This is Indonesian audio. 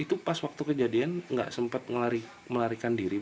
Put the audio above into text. itu pas waktu kejadian nggak sempat melarikan diri